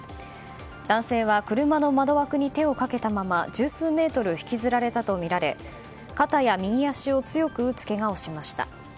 男性は車の窓枠に手をかけたまま十数メートル引きずらたとみられ肩や右足を強く打つけがをしました。